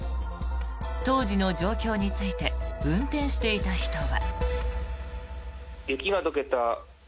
当時の状況について運転していた人は。